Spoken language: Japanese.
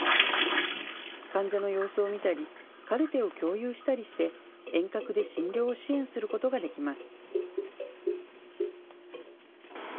患者の様子を見たりカルテを共有したりして遠隔で診療を支援することができます。